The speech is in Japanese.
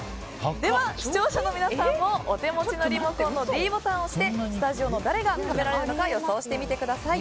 では視聴者の皆さんもお手持ちのリモコンのｄボタンを押してスタジオの誰が食べられるか予想してみてください。